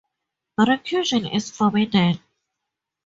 Recursion is forbidden.